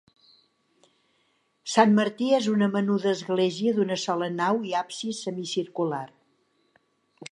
Sant Martí és una menuda església d'una sola nau i absis semicircular.